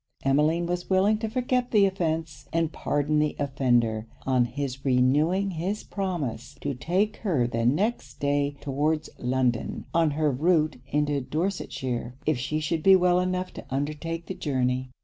Emmeline was willing to forget the offence, and pardon the offender, on his renewing his promise to take her the next day towards London, on her route into Dorsetshire; if she should be well enough to undertake the journey.